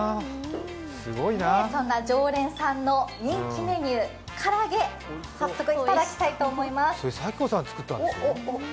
そんな常連さんの人気メニュー、唐揚げ、早速いただきたいと思います。